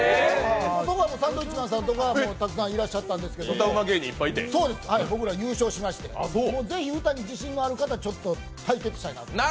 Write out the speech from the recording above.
そこはサンドウィッチマンさんとかたくさんいらっしゃったんですが僕ら、優勝しまして、ぜひ歌に自信のある方、対決したいなと思って。